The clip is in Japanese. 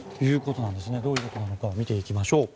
どういうことなのか見ていきましょう。